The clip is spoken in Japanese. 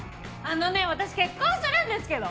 あのね私結婚するんですけど。